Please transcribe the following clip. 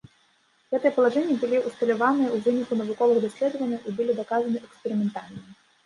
Гэтыя палажэнні былі ўсталяваныя ў выніку навуковых даследаванняў і былі даказаны эксперыментальна.